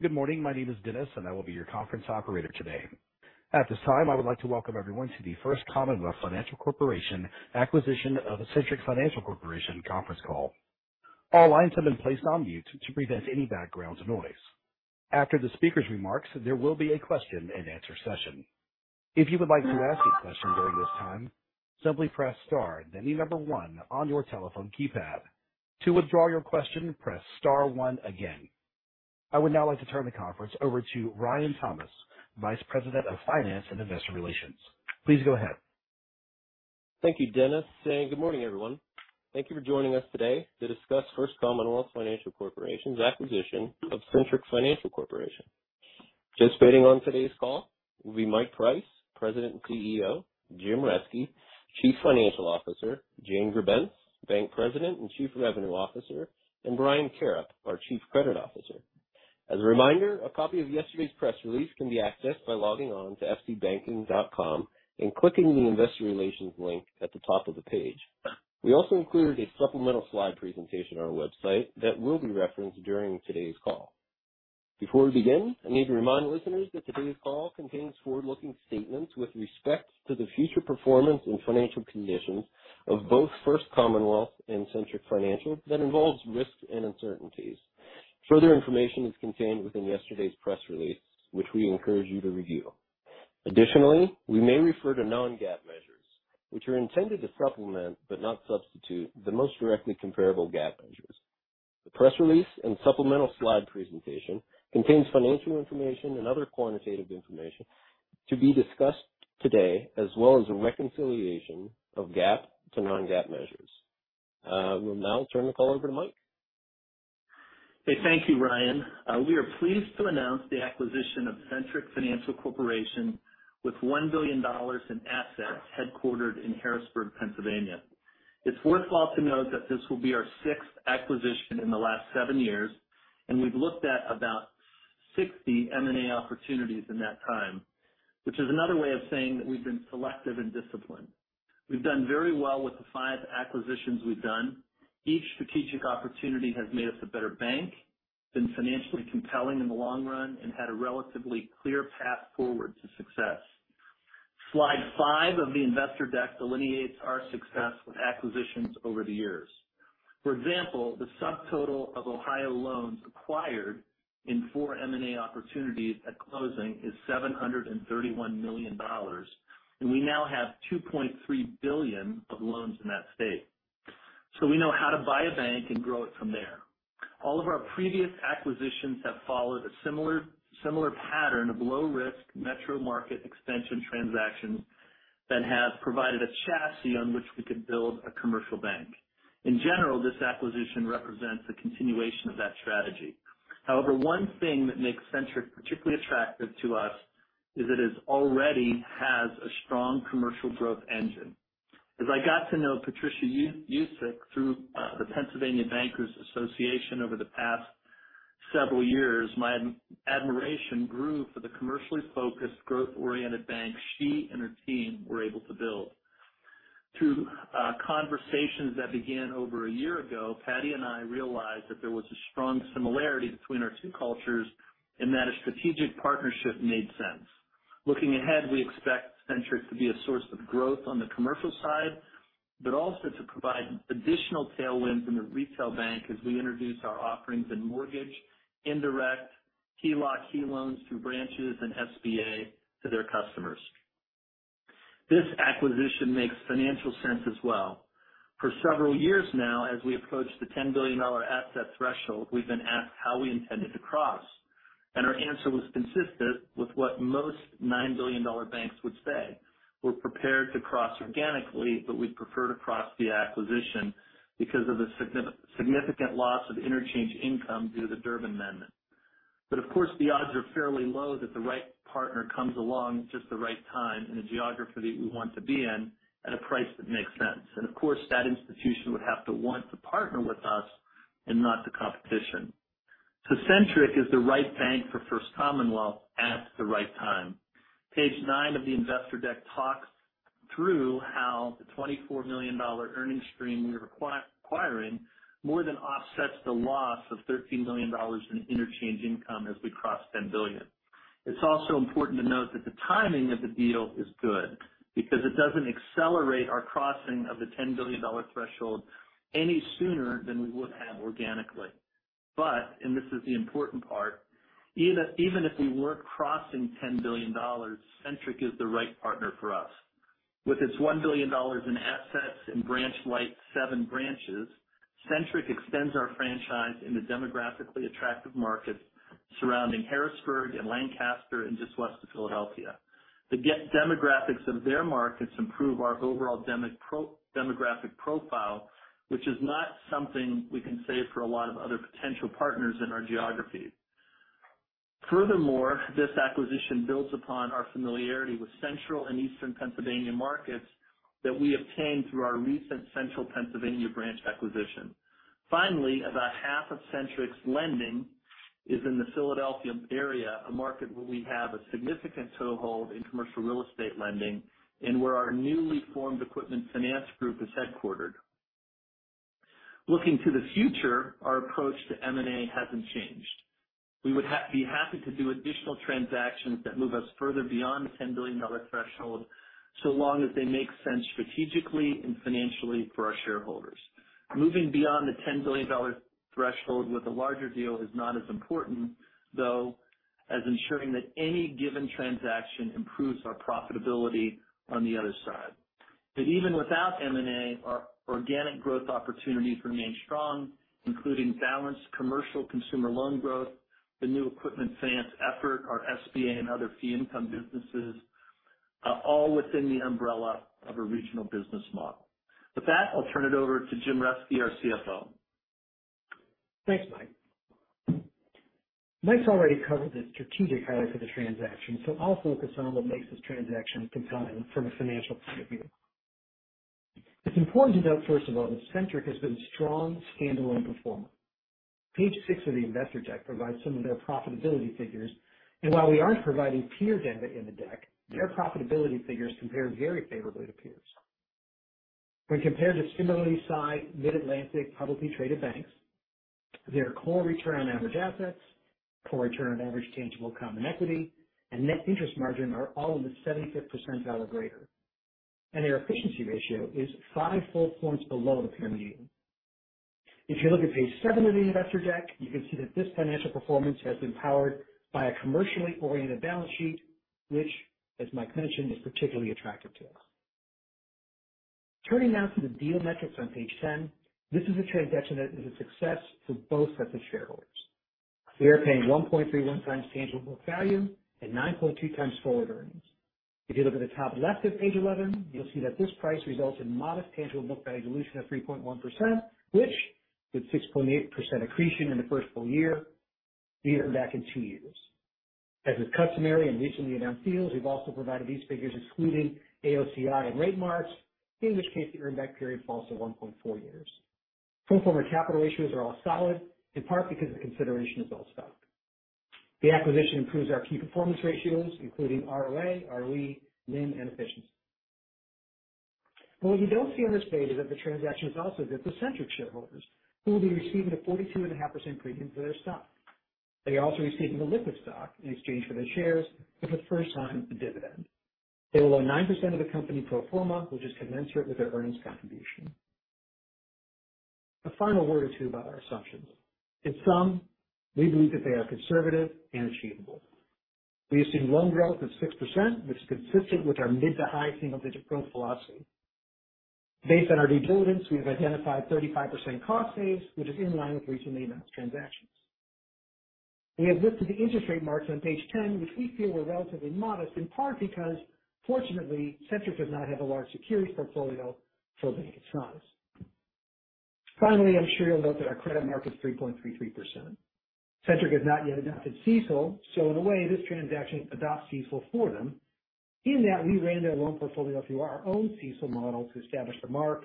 Good morning. My name is Dennis, and I will be your conference operator today. At this time, I would like to welcome everyone to the First Commonwealth Financial Corporation acquisition of Centric Financial Corporation conference call. All lines have been placed on mute to prevent any background noise. After the speaker's remarks, there will be a question-and-answer session. If you would like to ask a question during this time, simply press star, then the number one on your telephone keypad. To withdraw your question, press star one again. I would now like to turn the conference over to Ryan Thomas, Vice President of Finance and Investor Relations. Please go ahead. Thank you, Dennis. Good morning, everyone. Thank you for joining us today to discuss First Commonwealth Financial Corporation's acquisition of Centric Financial Corporation. Participating on today's call will be Mike Price, President and CEO, Jim Reske, Chief Financial Officer, Jane Grebenc, Bank President and Chief Revenue Officer, and Brian Karrip, our Chief Credit Officer. As a reminder, a copy of yesterday's press release can be accessed by logging on to fcbanking.com and clicking the Investor Relations link at the top of the page. We also included a supplemental slide presentation on our website that will be referenced during today's call. Before we begin, I need to remind listeners that today's call contains forward-looking statements with respect to the future performance and financial conditions of both First Commonwealth and Centric Financial that involves risks and uncertainties. Further information is contained within yesterday's press release, which we encourage you to review. Additionally, we may refer to non-GAAP measures, which are intended to supplement, but not substitute, the most directly comparable GAAP measures. The press release and supplemental slide presentation contains financial information and other quantitative information to be discussed today, as well as a reconciliation of GAAP to non-GAAP measures. I will now turn the call over to Mike. Hey. Thank you, Ryan. We are pleased to announce the acquisition of Centric Financial Corporation with $1 billion in assets headquartered in Harrisburg, Pennsylvania. It's worthwhile to note that this will be our sixth acquisition in the last seven years, and we've looked at about 60 M&A opportunities in that time, which is another way of saying that we've been selective and disciplined. We've done very well with the five acquisitions we've done. Each strategic opportunity has made us a better bank, been financially compelling in the long run, and had a relatively clear path forward to success. Slide five of the investor deck delineates our success with acquisitions over the years. For example, the subtotal of Ohio loans acquired in four M&A opportunities at closing is $731 million, and we now have $2.3 billion of loans in that state. We know how to buy a bank and grow it from there. All of our previous acquisitions have followed a similar pattern of low risk metro market extension transactions that have provided a chassis on which we could build a commercial bank. In general, this acquisition represents a continuation of that strategy. However, one thing that makes Centric particularly attractive to us is that it already has a strong commercial growth engine. As I got to know Patricia Husic through the Pennsylvania Bankers Association over the past several years, my admiration grew for the commercially focused, growth oriented bank she and her team were able to build. Through conversations that began over a year ago, Patti and I realized that there was a strong similarity between our two cultures and that a strategic partnership made sense. Looking ahead, we expect Centric to be a source of growth on the commercial side, but also to provide additional tailwinds in the retail bank as we introduce our offerings in mortgage, indirect, HELOC, HE loans through branches and SBA to their customers. This acquisition makes financial sense as well. For several years now, as we approach the $10 billion asset threshold, we've been asked how we intended to cross, and our answer was consistent with what most $9 billion banks would say. We're prepared to cross organically, but we'd prefer to cross via acquisition because of the significant loss of interchange income due to the Durbin Amendment. Of course, the odds are fairly low that the right partner comes along at just the right time in a geography that we want to be in at a price that makes sense. Of course, that institution would have to want to partner with us and not the competition. Centric is the right bank for First Commonwealth at the right time. Page nine of the investor deck talks through how the $24 million earning stream we are acquiring more than offsets the loss of $13 million in interchange income as we cross $10 billion. It's also important to note that the timing of the deal is good because it doesn't accelerate our crossing of the $10 billion threshold any sooner than we would have organically. This is the important part, even if we weren't crossing $10 billion, Centric is the right partner for us. With its $1 billion in assets and, like, seven branches, Centric extends our franchise in the demographically attractive markets surrounding Harrisburg and Lancaster and just west of Philadelphia. The demographics of their markets improve our overall demographic profile, which is not something we can say for a lot of other potential partners in our geography. Furthermore, this acquisition builds upon our familiarity with Central and Eastern Pennsylvania markets that we obtained through our recent Central Pennsylvania branch acquisition. Finally, about half of Centric's lending is in the Philadelphia area, a market where we have a significant toehold in commercial real estate lending and where our newly formed equipment finance group is headquartered. Looking to the future, our approach to M&A hasn't changed. We would be happy to do additional transactions that move us further beyond the $10 billion threshold, so long as they make sense strategically and financially for our shareholders. Moving beyond the $10 billion threshold with a larger deal is not as important, though, as ensuring that any given transaction improves our profitability on the other side. Even without M&A, our organic growth opportunities remain strong, including balanced commercial consumer loan growth, the new equipment finance effort, our SBA and other fee income businesses, all within the umbrella of a regional business model. With that, I'll turn it over to Jim Reske, our CFO. Thanks, Mike. Mike's already covered the strategic highlights of the transaction, so I'll focus on what makes this transaction compelling from a financial point of view. It's important to note, first of all, that Centric has been a strong, standalone performer. Page six of the investor deck provides some of their profitability figures, and while we aren't providing peers data in the deck, their profitability figures compare very favorably to peers. When compared to similarly sized Mid-Atlantic publicly traded banks, their core return on average assets, core return on average tangible common equity, and net interest margin are all in the 75th percentile or greater. Their efficiency ratio is five full points below the peer median. If you look at page seven of the investor deck, you can see that this financial performance has been powered by a commercially oriented balance sheet, which, as Mike mentioned, is particularly attractive to us. Turning now to the deal metrics on page 10, this is a transaction that is a success for both sets of shareholders. We are paying 1.31x tangible book value and 9.2x forward earnings. If you look at the top left of page 11, you'll see that this price results in modest tangible book value dilution of 3.1%, which with 6.8% accretion in the first full year, be earned back in two years. As is customary in recently announced deals, we've also provided these figures excluding AOCI and rate marks, in which case the earn back period falls to 1.4 years. Pro forma capital ratios are all solid, in part because the consideration is all stock. The acquisition improves our key performance ratios, including ROA, ROE, NIM and efficiency. What you don't see on this page is that the transaction is also good for Centric shareholders, who will be receiving a 42.5% premium for their stock. They are also receiving the liquid stock in exchange for their shares with a first-time dividend. They will own 9% of the company pro forma, which is commensurate with their earnings contribution. A final word or two about our assumptions. In sum, we believe that they are conservative and achievable. We assume loan growth of 6%, which is consistent with our mid- to high-single-digit growth philosophy. Based on our due diligence, we have identified 35% cost saves, which is in line with recently announced transactions. We have listed the interest rate marks on page 10, which we feel were relatively modest, in part because fortunately, Centric does not have a large securities portfolio for a bank of its size. Finally, I'm sure you'll note that our credit mark is 3.33%. Centric has not yet adopted CECL, so in a way, this transaction adopts CECL for them in that we ran their loan portfolio through our own CECL model to establish the mark,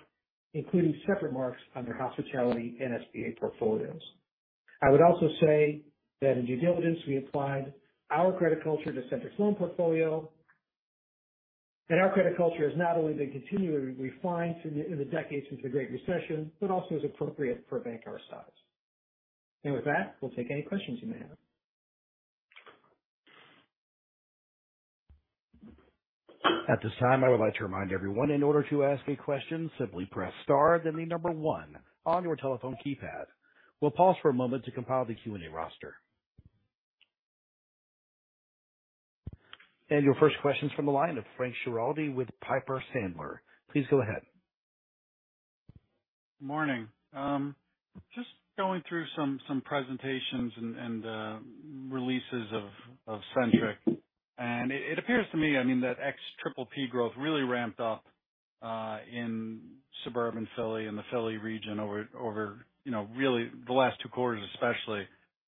including separate marks on their hospitality and SBA portfolios. I would also say that in due diligence, we applied our credit culture to Centric's loan portfolio. Our credit culture has not only been continually refined in the decades since the Great Recession, but also is appropriate for a bank our size. With that, we'll take any questions you may have. At this time, I would like to remind everyone, in order to ask a question, simply press star then the number one on your telephone keypad. We'll pause for a moment to compile the Q&A roster. Your first question's from the line of Frank Schiraldi with Piper Sandler. Please go ahead. Morning. Just going through some presentations and releases of Centric. It appears to me, I mean, that ex-PPP growth really ramped up in suburban Philly and the Philly region over, you know, really the last two quarters especially.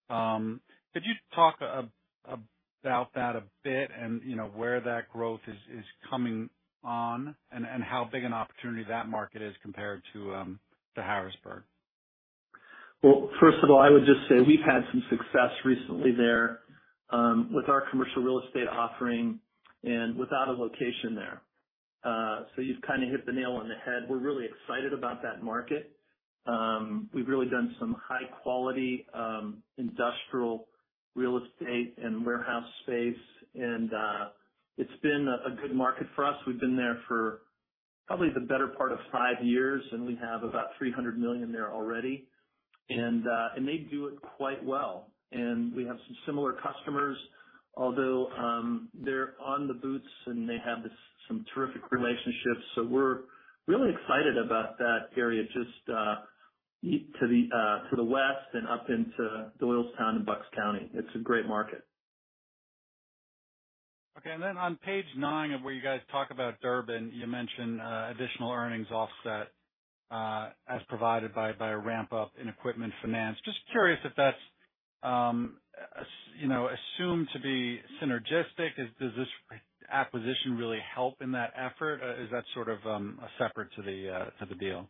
Could you talk about that a bit and, you know, where that growth is coming on and how big an opportunity that market is compared to Harrisburg? Well, first of all, I would just say we've had some success recently there with our commercial real estate offering and without a location there. You've kind of hit the nail on the head. We're really excited about that market. We've really done some high quality industrial real estate and warehouse space and it's been a good market for us. We've been there for probably the better part of five years, and we have about $300 million there already. They do it quite well. We have some similar customers, although they're on the books and they have some terrific relationships. We're really excited about that area, just to the west and up into Doylestown and Bucks County. It's a great market. Okay. Then on page nine of where you guys talk about Durbin, you mention additional earnings offset as provided by a ramp up in equipment finance. Just curious if that's, as you know, assumed to be synergistic. Does this acquisition really help in that effort or is that sort of a separate to the deal?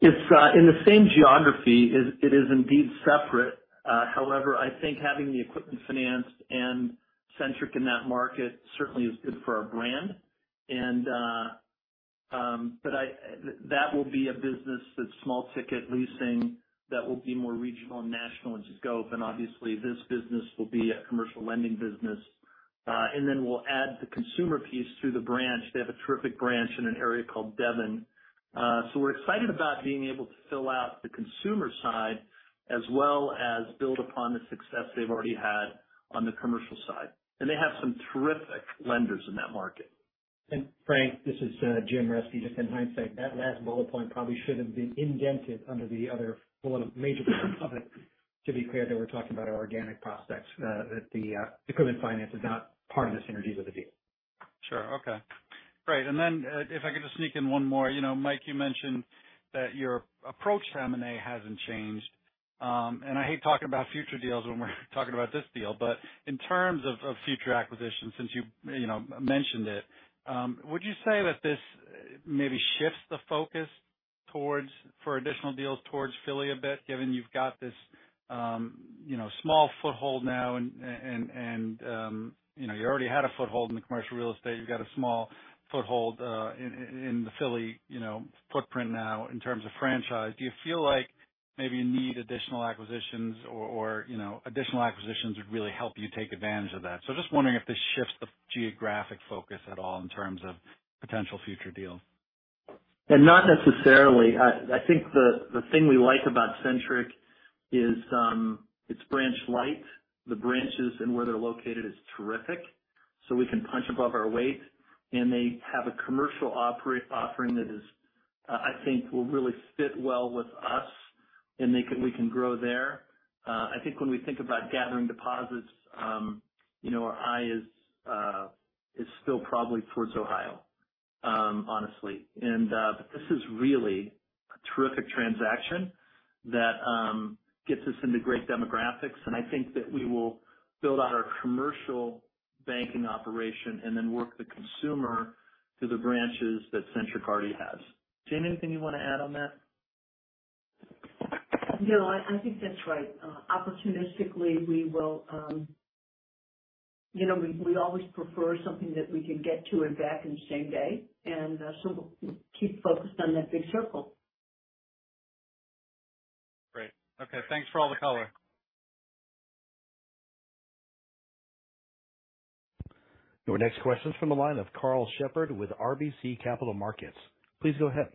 It's in the same geography. It is indeed separate. However, I think having the equipment finance and Centric in that market certainly is good for our brand. That will be a business that's small ticket leasing that will be more regional and national in scope. Obviously this business will be a commercial lending business. Then we'll add the consumer piece through the branch. They have a terrific branch in an area called Devon. We're excited about being able to fill out the consumer side as well as build upon the success they've already had on the commercial side. They have some terrific lenders in that market. Frank, this is Jim Reske. Just in hindsight, that last bullet point probably should have been indented under the other bullet of major pieces of it. To be clear there, we're talking about our organic prospects, that the equipment finance is not part of the synergies of the deal. Sure. Okay. Great. Then, if I could just sneak in one more. You know, Mike, you mentioned that your approach to M&A hasn't changed. I hate talking about future deals when we're talking about this deal, but in terms of future acquisitions, since you mentioned it, would you say that this maybe shifts the focus towards for additional deals towards Philly a bit, given you've got this small foothold now and you already had a foothold in the commercial real estate. You've got a small foothold in the Philly footprint now in terms of franchise. Do you feel like maybe you need additional acquisitions or additional acquisitions would really help you take advantage of that? Just wondering if this shifts the geographic focus at all in terms of potential future deals. Not necessarily. I think the thing we like about Centric is, it's branch light. The branches and where they're located is terrific, so we can punch above our weight. They have a commercial offering that, I think, will really fit well with us and we can grow there. I think when we think about gathering deposits, you know, our eye is still probably towards Ohio, honestly. This is really a terrific transaction that gets us into great demographics. I think that we will build out our commercial banking operation and then work the consumer through the branches that Centric already has. Jane, anything you want to add on that? No, I think that's right. Opportunistically, we will. You know, we always prefer something that we can get to and back in the same day. We'll keep focused on that big circle. Great. Okay. Thanks for all the color. Your next question is from the line of Karl Shepard with RBC Capital Markets. Please go ahead.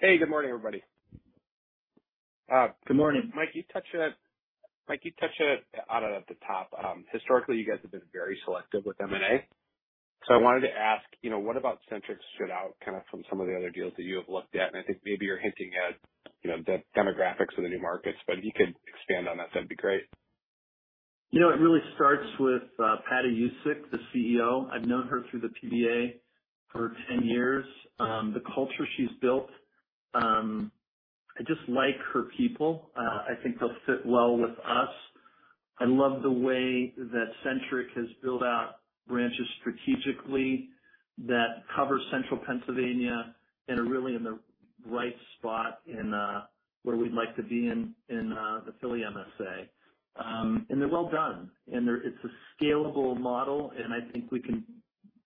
Hey, good morning, everybody. Good morning. Mike, you touched that on it at the top. Historically, you guys have been very selective with M&A. I wanted to ask, you know, what about Centric stood out kind of from some of the other deals that you have looked at? I think maybe you're hinting at, you know, the demographics of the new markets, but if you could expand on that'd be great. You know, it really starts with Patti Husic, the CEO. I've known her through the PBA for 10 years. The culture she's built, I just like her people. I think they'll fit well with us. I love the way that Centric has built out branches strategically that cover central Pennsylvania and are really in the right spot in where we'd like to be in the Philly MSA. They're well done. It's a scalable model, and I think we can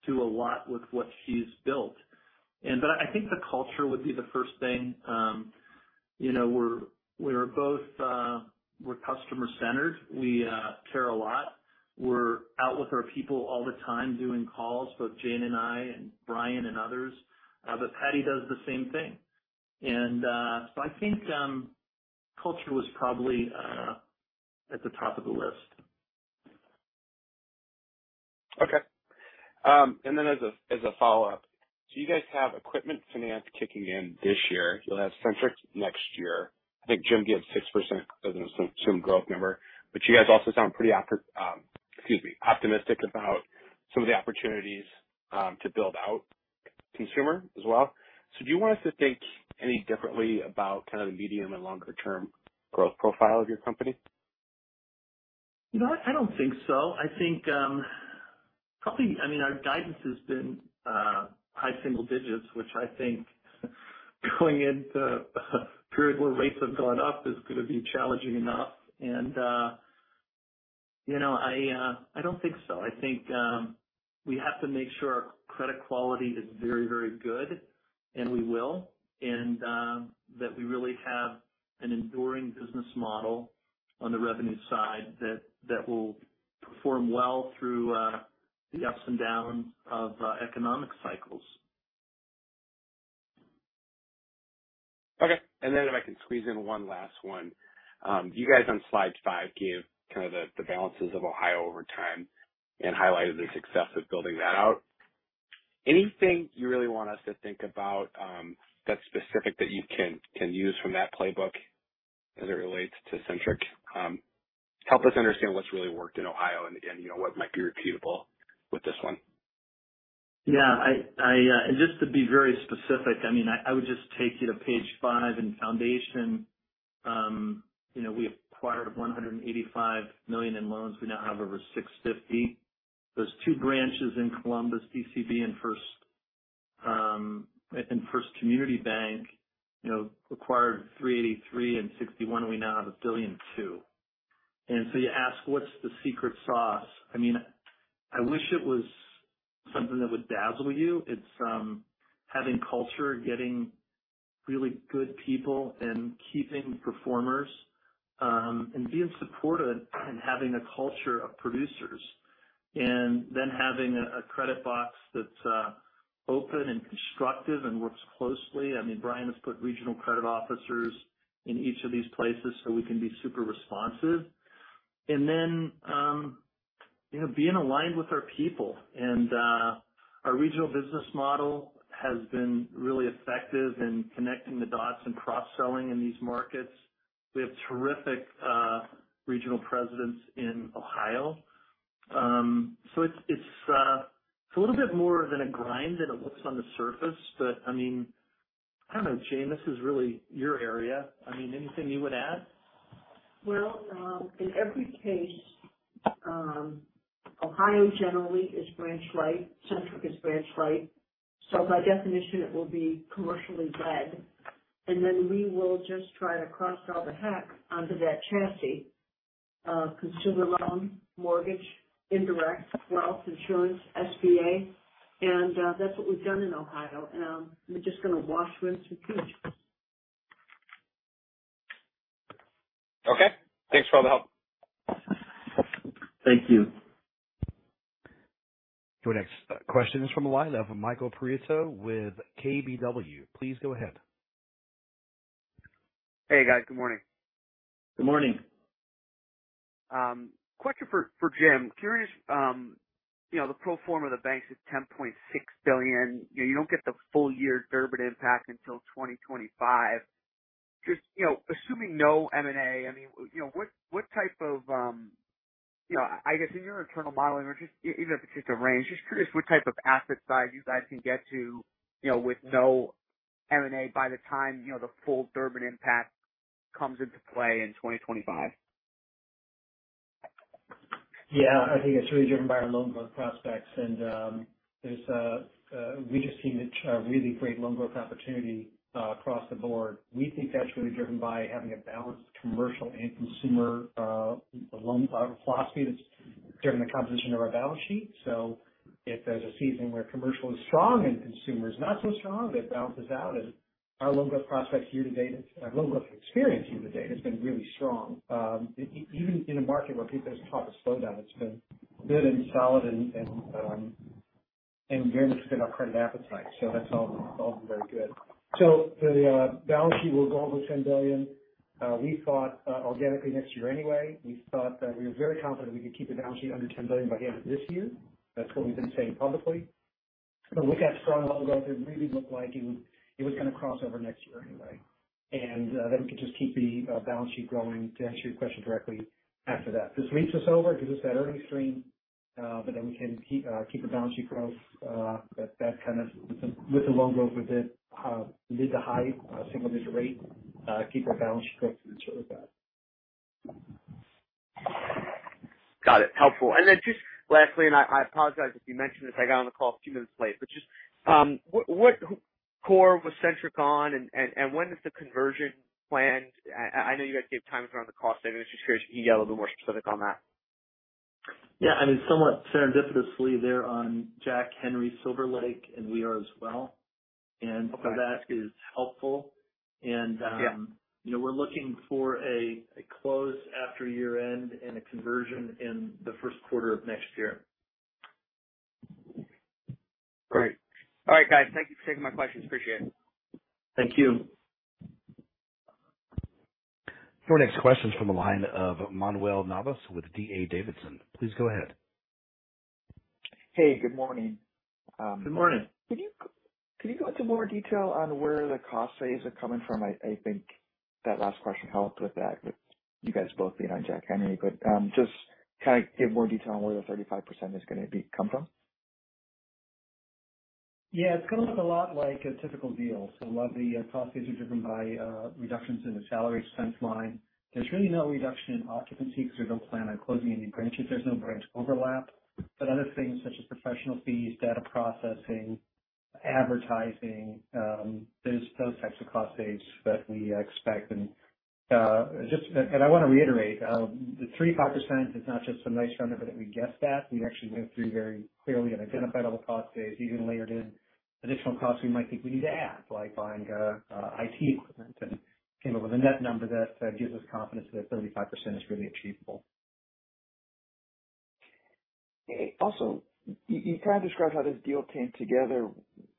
do a lot with what she's built. I think the culture would be the first thing. You know, we're both customer-centered. We care a lot. We're out with our people all the time doing calls, both Jane and I and Brian and others. Patti does the same thing. I think culture was probably at the top of the list. Okay. As a follow-up. You guys have equipment finance kicking in this year. You'll have Centric next year. I think Jim gave 6% as an assumed growth number, but you guys also sound pretty optimistic about some of the opportunities to build out consumer as well. Do you want us to think any differently about kind of the medium and longer term growth profile of your company? You know, I don't think so. I think, I mean, our guidance has been high single digits, which I think going into a period where rates have gone up is gonna be challenging enough. You know, I don't think so. I think, we have to make sure our credit quality is very, very good, and we will. That we really have an enduring business model on the revenue side that will perform well through the ups and downs of economic cycles. Okay. If I can squeeze in one last one. You guys on slide five gave kind of the balances of Ohio over time and highlighted the success of building that out. Anything you really want us to think about, that's specific that you can use from that playbook as it relates to Centric? Help us understand what's really worked in Ohio and you know, what might be repeatable with this one. Yeah. I mean, I would just take you to page five in the presentation. You know, we acquired $185 million in loans. We now have over $650 million. Those two branches in Columbus, DCB and First Community, and First Community Bank, you know, acquired $383 million and $61 million. We now have $1.2 billion. You ask, what's the secret sauce? I mean, I wish it was something that would dazzle you. It's having culture, getting really good people and keeping performers, and being supportive and having a culture of producers. Having a credit box that's open and constructive and works closely. I mean, Brian has put regional credit officers in each of these places so we can be super responsive. You know, being aligned with our people. Our regional business model has been really effective in connecting the dots and cross-selling in these markets. We have terrific regional presidents in Ohio. It's a little bit more than a grind than it looks on the surface. I mean, I don't know, Jane, this is really your area. I mean, anything you would add? Well, in every case, Ohio generally is branch light. Centric is branch light. By definition, it will be commercially led. We will just try to cross-sell the heck onto that chassis. Consumer loan, mortgage, indirect, wealth, insurance, SBA. That's what we've done in Ohio. We're just gonna wash, rinse, and repeat. Okay. Thanks for all the help. Thank you. Your next question is from the line of Michael Perito with KBW. Please go ahead. Hey, guys. Good morning. Good morning. Question for Jim. Curious, you know, the pro forma of the bank says $10.6 billion. You know, you don't get the full year Durbin impact until 2025. Just, you know, assuming no M&A, I mean, you know, what type of. You know, I guess in your internal modeling or just even if it's just a range, just curious what type of asset size you guys can get to, you know, with no M&A by the time, you know, the full Durbin impact comes into play in 2025. Yeah. I think it's really driven by our loan growth prospects. There's a really great loan growth opportunity across the board. We think that's really driven by having a balanced commercial and consumer loan philosophy that's driven the composition of our balance sheet. If there's a season where commercial is strong and consumer is not so strong, it balances out. Our loan growth experience year to date has been really strong. Even in a market where people just talk a slowdown, it's been good and solid and very much within our credit appetite. That's all been very good. The balance sheet will go over $10 billion, we thought, organically next year anyway. We thought that we were very confident we could keep the balance sheet under $10 billion by the end of this year. That's what we've been saying publicly. When we got strong loan growth, it really looked like it was gonna cross over next year anyway. We could just keep the balance sheet growing, to answer your question directly, after that. This leaps us over, gives us that early stream, but we can keep the balance sheet growth at that kind of with the loan growth with it, lead to high single digit rate, keep our balance sheet growth in sort of that. Got it. Helpful. Just lastly, I apologize if you mentioned this. I got on the call a few minutes late. Just what core was Centric on and when is the conversion planned? I know you guys gave timelines around the cost savings. Just curious if you could get a little more specific on that. Yeah. I mean, somewhat serendipitously, they're on Jack Henry SilverLake, and we are as well. Okay. That is helpful. Yeah. You know, we're looking for a close after year-end and a conversion in the first quarter of next year. Great. All right, guys. Thank you for taking my questions. Appreciate it. Thank you. Your next question's from the line of Manuel Navas with D.A. Davidson. Please go ahead. Hey, good morning. Good morning. Could you go into more detail on where the cost savings are coming from? I think that last question helped with that, with you guys both being on Jack Henry. Just kind of give more detail on where the 35% is gonna come from. Yeah. It's gonna look a lot like a typical deal. A lot of the cost saves are driven by reductions in the salary expense line. There's really no reduction in occupancy because we don't plan on closing any branches. There's no branch overlap. Other things such as professional fees, data processing, advertising, there's those types of cost saves that we expect. I want to reiterate, the 35% is not just some nice round number that we guessed at. We actually went through very clearly and identified all the cost saves, even layered in additional costs we might think we need to add, like buying IT equipment, and came up with a net number that gives us confidence that 35% is really achievable. Also, you kind of described how this deal came together.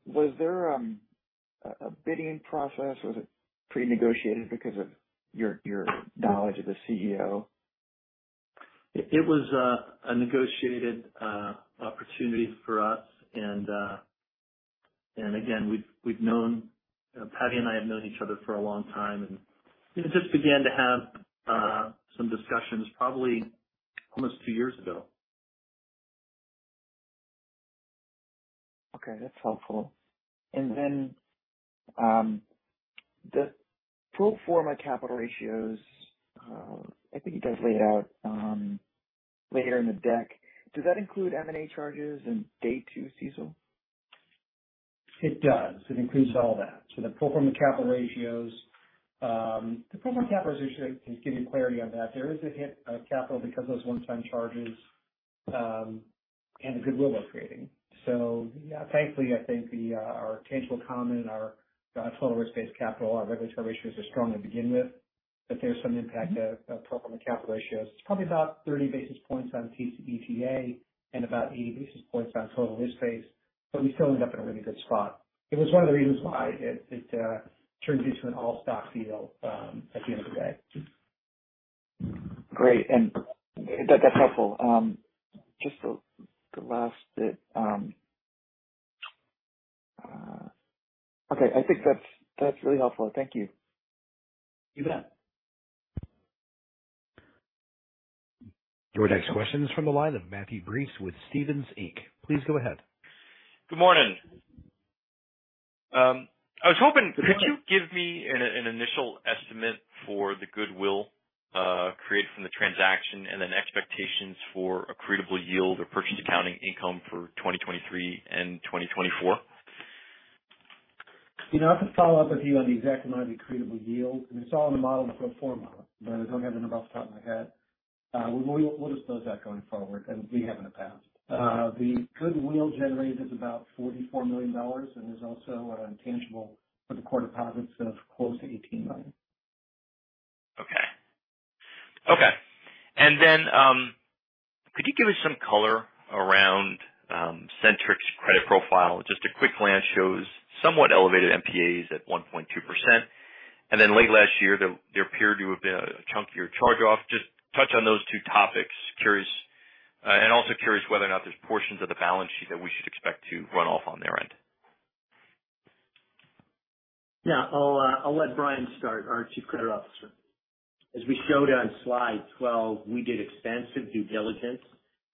Was there a bidding process? Was it pre-negotiated because of your knowledge of the CEO? It was a negotiated opportunity for us. Again, Patti and I have known each other for a long time and, you know, just began to have some discussions probably almost two years ago. Okay. That's helpful. The pro forma capital ratios. I think it does lay it out later in the deck. Does that include M&A charges and day two CECL? It does. It includes all that. The pro forma capital ratios. The pro forma capital ratios should give you clarity on that. There is a hit of capital because those one-time charges and the goodwill we're creating. Yeah, thankfully, I think our tangible common and our total risk-based capital, our regulatory capital ratios are strong to begin with. There's some impact to pro forma capital ratios. It's probably about 30 basis points on TCE/TA and about 80 basis points on total risk-based, but we still end up in a really good spot. It was one of the reasons why it turns into an all-stock deal at the end of the day. Great. That's helpful. Just the last bit. Okay. I think that's really helpful. Thank you. You bet. Your next question is from the line of Matthew Breese with Stephens Inc. Please go ahead. Good morning. I was hoping. Good morning. Could you give me an initial estimate for the goodwill created from the transaction and then expectations for accretable yield or purchase accounting income for 2023 and 2024? You know, I can follow up with you on the exact amount of the accretable yield. I mean, it's all in the model in the pro forma, but I don't have the number off the top of my head. We'll disclose that going forward, and we have in the past. The goodwill generated is about $44 million and there's also an intangible for the core deposits of close to $18 million. Okay. Could you give us some color around Centric's credit profile? Just a quick glance shows somewhat elevated MPAs at 1.2%. Late last year, there appeared to have been a chunkier charge-off. Just touch on those two topics. Curious, and also curious whether or not there's portions of the balance sheet that we should expect to run off on their end. Yeah, I'll let Brian Karrip start, our Chief Credit Officer. As we showed on slide 12, we did extensive due diligence,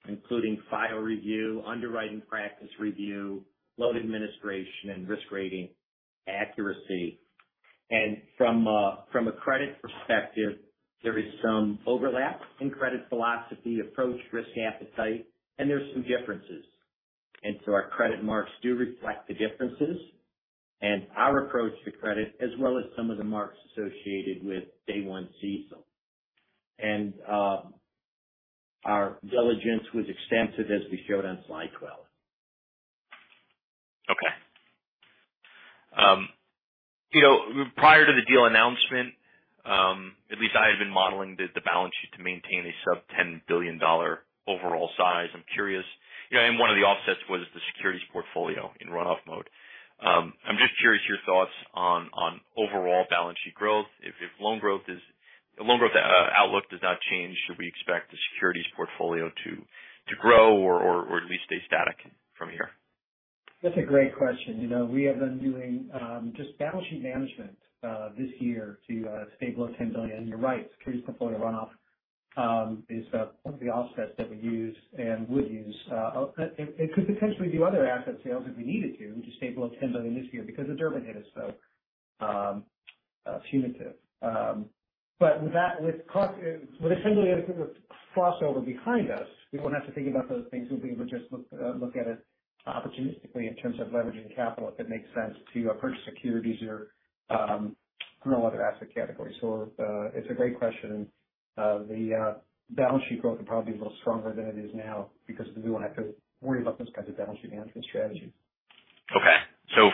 including file review, underwriting practice review, loan administration, and risk rating accuracy. From a credit perspective, there is some overlap in credit philosophy, approach, risk appetite, and there's some differences. Our credit marks do reflect the differences and our approach to credit as well as some of the marks associated with day one CECL. Our diligence was extensive, as we showed on slide 12. Okay. You know, prior to the deal announcement, at least I had been modeling the balance sheet to maintain a sub-$10 billion overall size. I'm curious, you know, and one of the offsets was the securities portfolio in run-off mode. I'm just curious your thoughts on overall balance sheet growth. If loan growth outlook does not change, should we expect the securities portfolio to grow or at least stay static from here? That's a great question. You know, we have been doing just balance sheet management this year to stay below 10 billion. You're right, securities portfolio run-off is one of the offsets that we use and would use. It could potentially do other asset sales if we needed to stay below $10 billion this year because of Durbin hit is so punitive. That with cost with essentially a bit of crossover behind us, we won't have to think about those things. We'll be able to just look at it opportunistically in terms of leveraging capital, if it makes sense to purchase securities or you know, other asset categories. It's a great question. The balance sheet growth will probably be a little stronger than it is now because we won't have to worry about those kinds of balance sheet management strategies. Okay.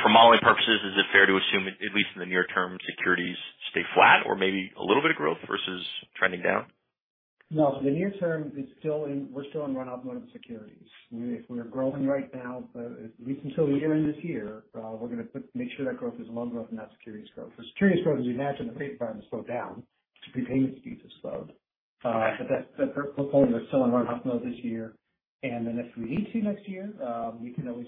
For modeling purposes, is it fair to assume, at least in the near term, securities stay flat or maybe a little bit of growth versus trending down? No, we're still in run-off mode with securities. If we're growing right now, at least until the end of this year, we're gonna make sure that growth is loan growth, not securities growth. For securities growth, as you'd imagine, the paydown has slowed down. Prepayment speeds has slowed. But that portfolio is still in run-off mode this year. If we need to next year, we can always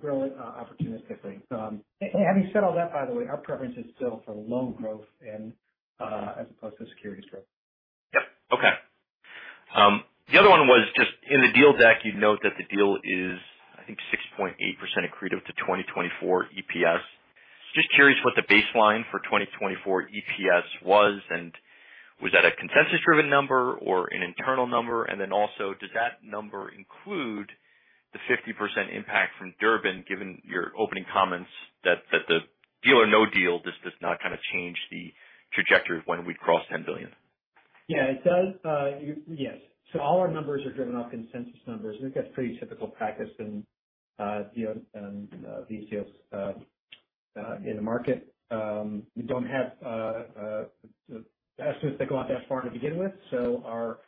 grow it opportunistically. Having said all that, by the way, our preference is still for loan growth and as opposed to securities growth. Yep. Okay. The other one was just in the deal deck. You'd note that the deal is, I think, 6.8% accretive to 2024 EPS. Just curious what the baseline for 2024 EPS was. Was that a consensus driven number or an internal number? Then also, does that number include the 50% impact from Durbin, given your opening comments that the deal or no deal, this does not kind of change the trajectory of when we'd cross $10 billion? Yeah. It does. Yes. All our numbers are driven off consensus numbers. I think that's pretty typical practice in deals and comps in the market. We don't have estimates that go out that far to begin with. Our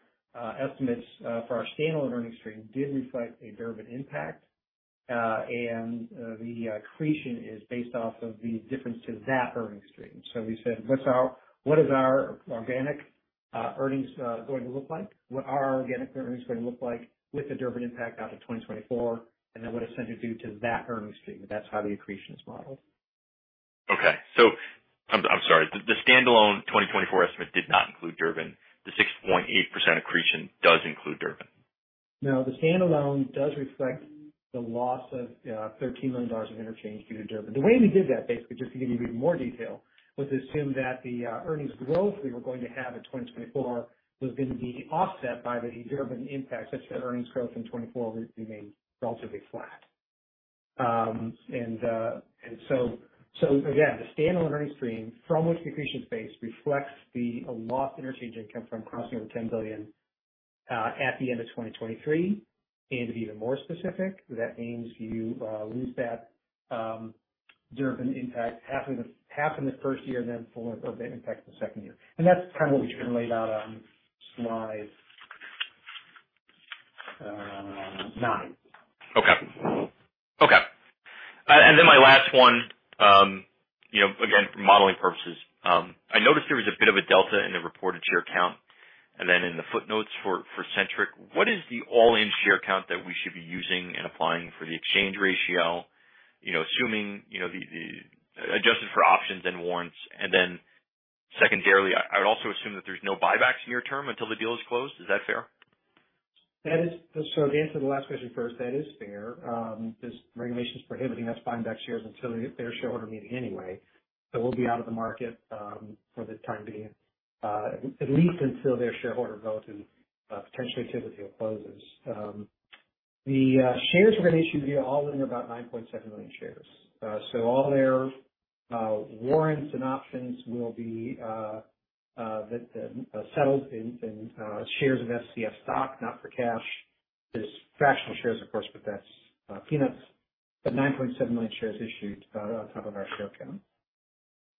estimates for our standalone earnings stream did reflect a Durbin impact. The accretion is based off of the difference to that earnings stream. We said, what is our organic earnings going to look like? What are our organic earnings going to look like with the Durbin impact out to 2024? What is Centric do to that earnings stream? That's how the accretion is modeled. I'm sorry. The standalone 2024 estimate did not include Durbin. The 6.8% accretion does include Durbin? No, the standalone does reflect the loss of $13 million of interchange due to Durbin. The way we did that, basically, just to give you even more detail, was assume that the earnings growth we were going to have in 2024 was going to be offset by the Durbin impact such that earnings growth in 2024 would remain relatively flat. Again, the standalone earnings stream from which our base reflects the lost interchange income from crossing over $10 billion at the end of 2023. To be even more specific, that means you lose that Durbin impact half in the first year and then full impact the second year. That's kind of what we've laid out on slide nine. Okay. Then my last one, you know, again, for modeling purposes. I noticed there was a bit of a delta in the reported share count and then in the footnotes for Centric. What is the all-in share count that we should be using in applying for the exchange ratio? Assuming the adjusted for options and warrants. Then secondarily, I would also assume that there's no buybacks near term until the deal is closed. Is that fair? That is. To answer the last question first, that is fair. There's regulations prohibiting us buying back shares until their shareholder meeting anyway. We'll be out of the market for the time being, at least until their shareholder votes and potentially until the deal closes. The shares we're going to issue here all in are about 9.7 million shares. All their warrants and options will be settled in shares of FCF stock, not for cash. There's fractional shares, of course, but that's peanuts. 9.7 million shares issued on top of our share count.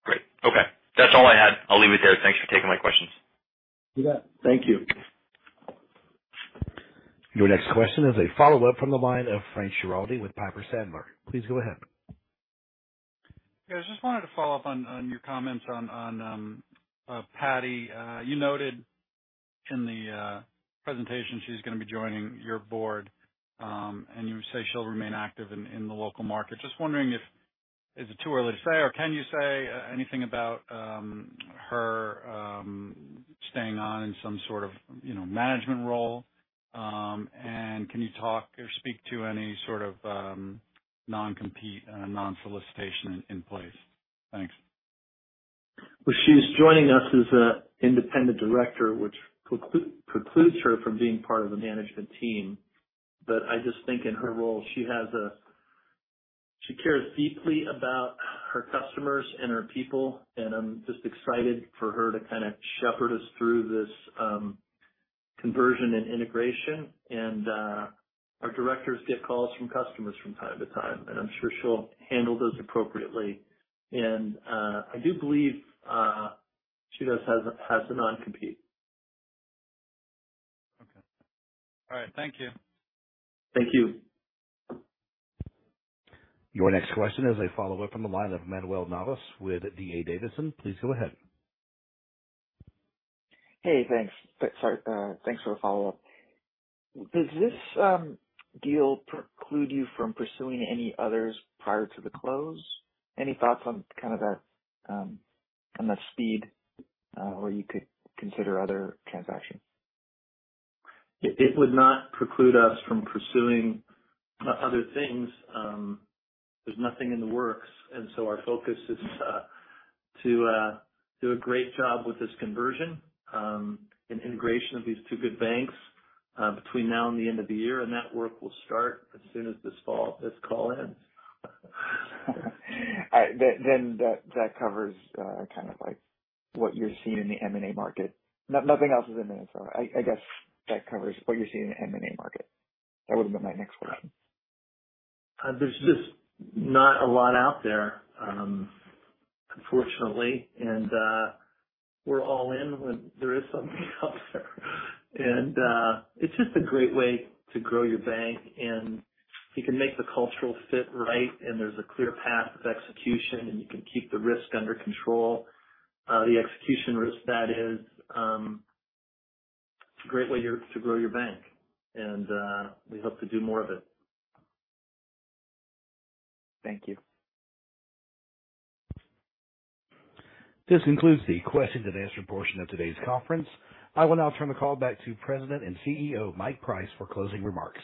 Great. Okay. That's all I had. I'll leave it there. Thanks for taking my questions. You bet. Thank you. Your next question is a follow-up from the line of Frank Schiraldi with Piper Sandler. Please go ahead. Yeah, I just wanted to follow up on your comments on Patti. You noted in the presentation she's gonna be joining your board, and you say she'll remain active in the local market. Just wondering if is it too early to say or can you say anything about her staying on in some sort of, you know, management role? And can you talk or speak to any sort of non-compete and non-solicitation in place? Thanks. Well, she's joining us as an independent director, which precludes her from being part of the management team. I just think in her role, she cares deeply about her customers and her people, and I'm just excited for her to kind of shepherd us through this, conversion and integration. Our directors get calls from customers from time to time, and I'm sure she'll handle those appropriately. I do believe she does have a non-compete. Okay. All right. Thank you. Thank you. Your next question is a follow-up from the line of Manuel Navas with D.A. Davidson. Please go ahead. Hey, thanks. Sorry, thanks for the follow-up. Does this deal preclude you from pursuing any others prior to the close? Any thoughts on kind of that, on the speed, where you could consider other transactions? It would not preclude us from pursuing other things. There's nothing in the works. Our focus is to do a great job with this conversion and integration of these two good banks between now and the end of the year. That work will start as soon as this call ends. All right. That covers kind of like what you're seeing in the M&A market. Nothing else is in there, so I guess that covers what you're seeing in the M&A market. That would have been my next question. There's just not a lot out there, unfortunately. We're all in when there is something out there. It's just a great way to grow your bank. If you can make the cultural fit right and there's a clear path of execution and you can keep the risk under control, the execution risk that is, it's a great way to grow your bank, and we hope to do more of it. Thank you. This concludes the question and answer portion of today's conference. I will now turn the call back to President and CEO, Mike Price, for closing remarks.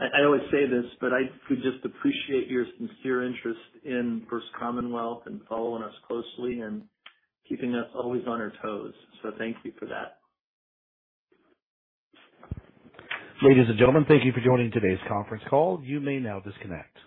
I always say this, but we just appreciate your sincere interest in First Commonwealth and following us closely and keeping us always on our toes. Thank you for that. Ladies and gentlemen, thank you for joining today's conference call. You may now disconnect.